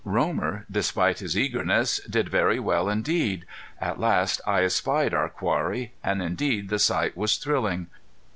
Romer, despite his eagerness, did very well indeed. At last I espied our quarry, and indeed the sight was thrilling.